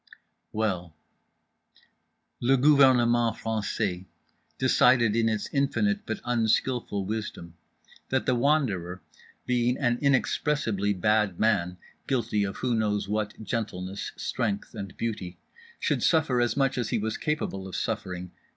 Well…. Le gouvernement français decided in its infinite but unskillful wisdom that The Wanderer, being an inexpressibly bad man (guilty of who knows what gentleness, strength and beauty) should suffer as much as he was capable of suffering.